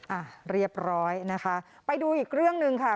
อ่ะเรียบร้อยนะคะไปดูอีกเรื่องหนึ่งค่ะ